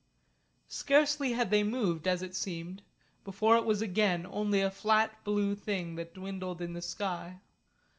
Scarcely had they moved, as it seemed, before it was again only a flat blue thing that dwindled in the sky.